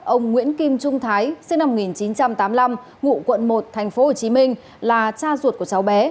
ông nguyễn kim trung thái sinh năm một nghìn chín trăm tám mươi năm ngụ quận một tp hcm là cha ruột của cháu bé